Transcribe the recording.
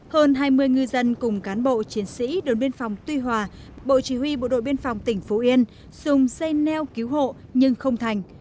hơn hai mươi ngư dân cùng cán bộ chiến sĩ đồn biên phòng tuy hòa bộ chỉ huy bộ đội biên phòng tỉnh phú yên dùng xây neo cứu hộ nhưng không thành